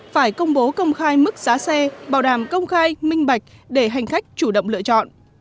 phải công bố công khai mức giá xe bảo đảm công khai minh bạch để hành khách chủ động lựa chọn